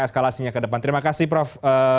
eskalasinya ke depan terima kasih prof